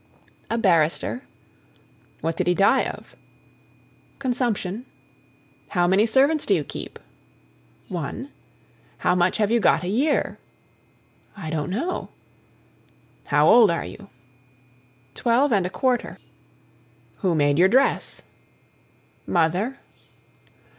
"A barrister." "What did he die of?" "Consumption." "How many servants do you keep?" "One." "How much have you got a year?" "I don't know." "How old are you?" "Twelve and a quarter." "Who made your dress?" "Mother."